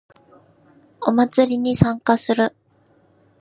お祭りに参加する